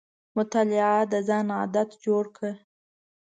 مطالعه د ځان عادت جوړ کړه.